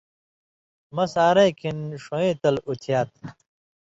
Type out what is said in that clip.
مہ سَحرَئیں کھئیں ݜُوئیں تل اُتھیات